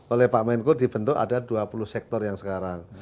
oleh pak menko dibentuk ada dua puluh sektor yang sekarang